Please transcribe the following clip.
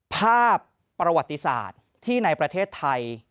ภาพประวัติศาสตร์ที่ในประเทศไทย